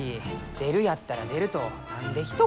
出るやったら出ると何でひと言。